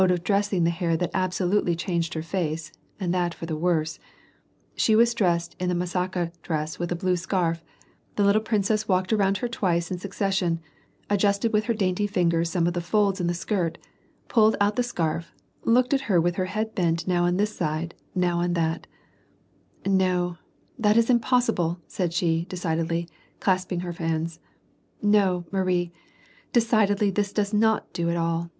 of dressing the hair that absolutely changed her face, and that for the worse), and she was dressed in the masakd dress witli the blue scarf, the little* princess walked around her twice in suc cession, adjusted with her dainty lingers some of the folds iu the skirt, pulled out the scarf, looked at her with her head bent now on this side, now on that, —^' No, that is impossible,'* said she, decidedly, clasping her hands. " No, Marie, decidedly, this does not do at all.